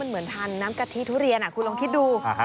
เหมือนทานน้ำกะทิทุเรียนคุณลองคิดดู